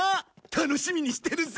楽しみにしてるぜ！